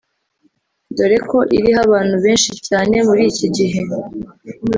dore ko iriho abantu benshi cyane muri iki gihe